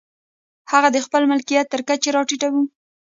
هغه د خپل ملکیت تر کچې را ټیټوو.